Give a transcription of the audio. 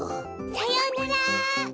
さようなら。